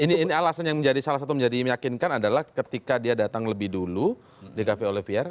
ini alasan yang menjadi salah satu menjadi meyakinkan adalah ketika dia datang lebih dulu di cafe olivier